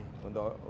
untuk untuk untuk